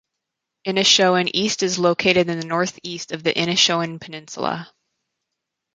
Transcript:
Inishowen East is located in the northeast of the Inishowen Peninsula.